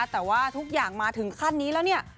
แต่ว่าทุกอย่างมาถึงขั้นนี้แล้วเนี่ย